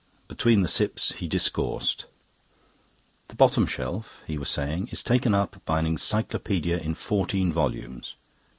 Between the sips he discoursed. "The bottom shelf," he was saying, "is taken up by an Encyclopaedia in fourteen volumes.